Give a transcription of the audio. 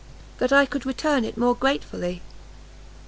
"That I could return it more gratefully!"